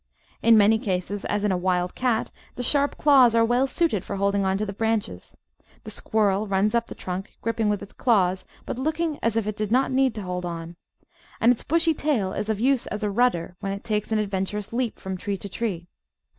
In many cases, as in a wild cat, the sharp claws are well suited for holding on to the branches. The Squirrel runs up the trunk, gripping with its claws, but looking as if it did not need to hold on; and its bushy tail is of use as a rudder when it takes an adventiuous leap from tree to tree.